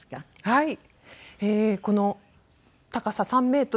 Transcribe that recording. はい。